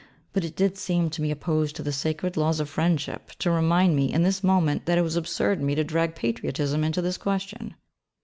But it did seem to me opposed to the sacred laws of friendship, to remind me, in this moment, that it was absurd in me to drag patriotism into this question.